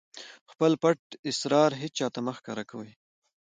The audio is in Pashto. خپل پټ اسرار هېچاته هم مه ښکاره کوئ!